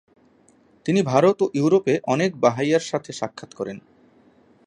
তিনি ভারত ও ইউরোপে অনেক বাহাইয়ের সাথে সাক্ষাৎ করেন।